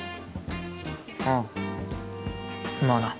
ああまあな。